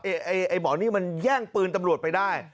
ไอ้หมอนี่มันแย่งปืนตำรวจไปได้